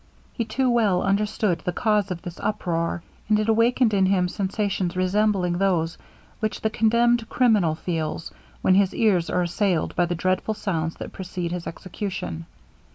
He too well understood the cause of this uproar, and it awakened in him sensations resembling those which the condemned criminal feels, when his ears are assailed by the dreadful sounds that precede his execution.